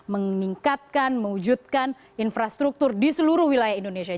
meningkatkan mewujudkan infrastruktur di seluruh wilayah indonesia